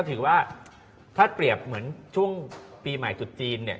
ถือว่าถ้าเปรียบเหมือนช่วงปีใหม่จุดจีนเนี่ย